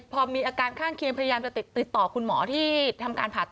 พอมีอาการข้างเคียงพยายามจะติดต่อคุณหมอที่ทำการผ่าตัด